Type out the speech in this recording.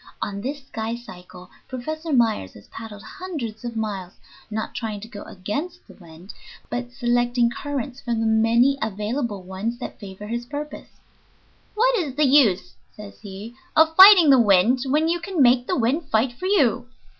On this "skycycle" Professor Myers has paddled hundreds of miles, not trying to go against the wind, but selecting currents from the many available ones that favor his purpose. "What is the use," says he, "of fighting the wind when you can make the wind fight for you?